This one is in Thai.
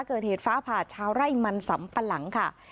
เกิดเหตุฟ้าผ่าชาวไร่มันสำปะหลังค่ะ